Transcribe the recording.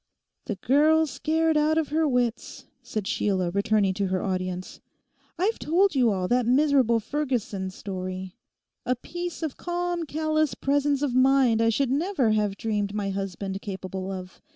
'The girl's scared out of her wits,' said Sheila returning to her audience. 'I've told you all that miserable Ferguson story—a piece of calm, callous presence of mind I should never have dreamed my husband capable of.